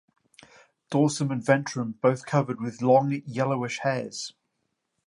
Dorsum and ventrum both covered with long yellowish hairs.